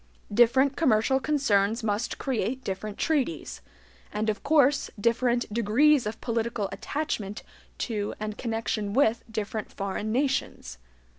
Different commercial concerns must create different interests, and of course different degrees of political attachment to and connection with different foreign nations.